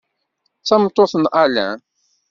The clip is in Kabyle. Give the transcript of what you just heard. D tameṭṭut n Alain.